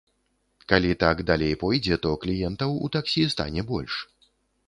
Калі так далей пойдзе, то кліентаў у таксі стане больш.